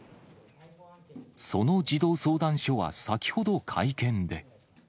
その児童相談所は先ほど会見で。